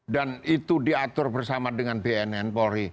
dan itu diatur bersama dengan bnn polri